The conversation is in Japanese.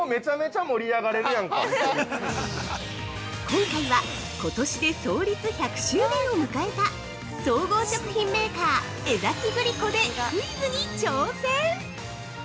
◆今回は、ことしで創立１００周年を迎えた総合食品メーカー・江崎グリコでクイズに挑戦。